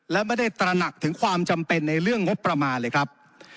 และไม่ได้ตระหนักถึงความจำเป็นในเรื่องงบประมาณเลยครับ